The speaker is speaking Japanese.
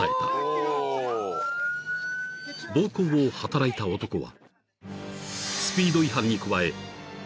［暴行を働いた男は］